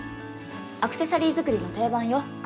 アクセサリー作りの定番よ。